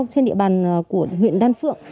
trên địa bàn của huyện đan phượng